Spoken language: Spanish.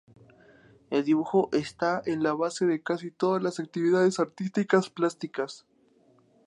El dibujo está en la base de casi todas las actividades artísticas plásticas.